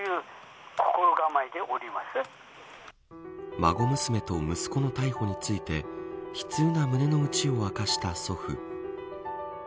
孫娘と息子の逮捕について悲痛な胸の内を明かした祖父。